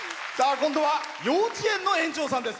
今度は幼稚園の園長さんです。